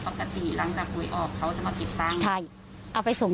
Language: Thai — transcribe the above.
ปกติหลังจากหวยออกเขาจะมาเก็บตังค์ใช่เอาไปส่ง